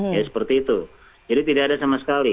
ya seperti itu jadi tidak ada sama sekali